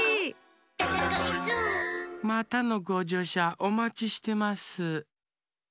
「デテコイス」またのごじょうしゃおまちしてます。